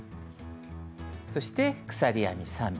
そして鎖編み３目。